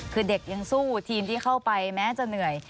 คือเด็กยังสู้ทีมที่เข้าไปแม้จะเหนื่อย